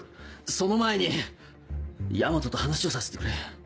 その前に大和と話をさせてくれ。